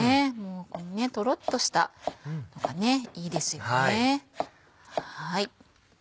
このトロっとしたのがいいですよね。